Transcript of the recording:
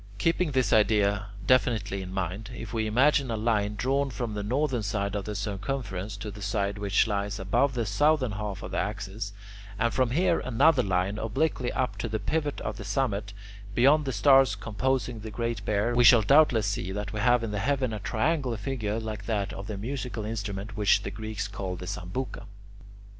Keeping this idea definitely in mind, if we imagine a line drawn from the northern side of the circumference (N) to the side which lies above the southern half of the axis (S), and from here another line obliquely up to the pivot at the summit, beyond the stars composing the Great Bear (the pole star P), we shall doubtless see that we have in the heaven a triangular figure like that of the musical instrument which the Greeks call the "sambuca."